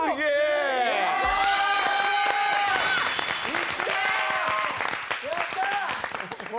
いったー！